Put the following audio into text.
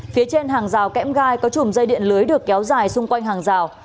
phía trên hàng rào kẽm gai có chùm dây điện lưới được kéo dài xung quanh hàng rào